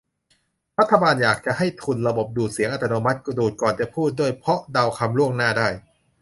รัฐบาลอาจจะอยากให้ทุน ระบบดูดเสียงอัตโนมัติ ดูดก่อนจะพูดด้วย เพราะเดาคำล่วงหน้าได้